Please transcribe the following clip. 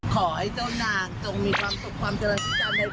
ขอให้เจ้านางจงมีความสุขความเจรจิจันทร์